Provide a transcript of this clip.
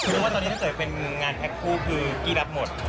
คือว่าตอนนี้ถ้าเจ๋ยเป็นงานแท็กผู้คือกี้รับหมด